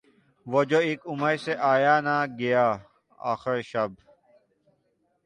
وہ جو اک عمر سے آیا نہ گیا آخر شب